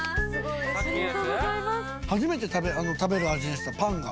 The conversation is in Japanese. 初めて食べる味でしたパンが。